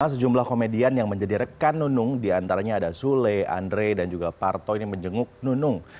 sejumlah komedian yang menjadi rekan nunung diantaranya ada sule andre dan juga parto ini menjenguk nunung